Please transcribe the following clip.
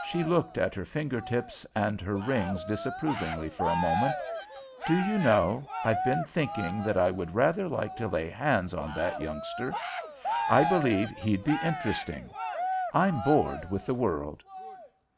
She looked at her finger tips and her rings disapprovingly for a moment. "Do you know, I've been thinking that I would rather like to lay hands on that youngster. I believe he'd be interesting. I'm bored with the world."